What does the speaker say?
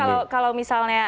jadi kalau misalnya